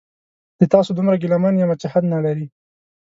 د تاسو دومره ګیله من یمه چې حد نلري